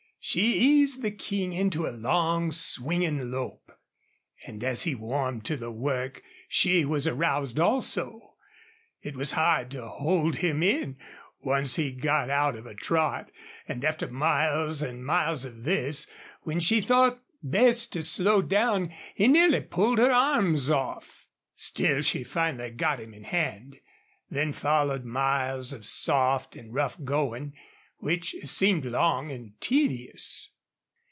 She eased the King into a long, swinging lope. And as he warmed to the work she was aroused also. It was hard to hold him in, once he got out of a trot, and after miles and miles of this, when she thought best to slow down he nearly pulled her arms off. Still she finally got him in hand. Then followed miles of soft and rough going, which seemed long and tedious.